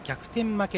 負け